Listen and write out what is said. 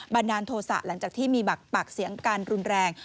ดาลโทษะหลังจากที่มีปากเสียงกันรุนแรง